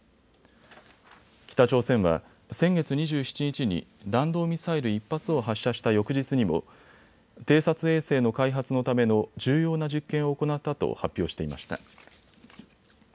北朝鮮は先月２７日に弾道ミサイル１発を発射した翌日にも偵察衛星の開発のための重要な実験を行ったと発表していました。